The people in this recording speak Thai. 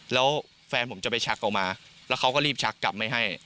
แล้วแฟนผมจะไปชักออกมาแล้วเขาก็รีบชักกลับไม่ให้